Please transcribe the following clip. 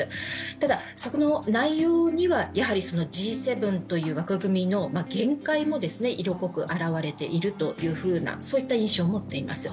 ただ、その内容にはやはりＧ７という枠組みの限界も色濃く表れているというふうなそういった印象を持っています。